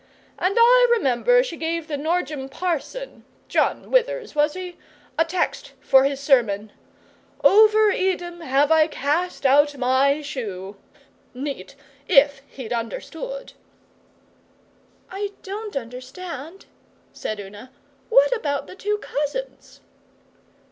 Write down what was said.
And I remember she gave the Norgem parson John Withers, was he? a text for his sermon "Over Edom have I cast out my shoe." Neat, if he'd understood!' 'I don't understand,' said Una. 'What about the two cousins?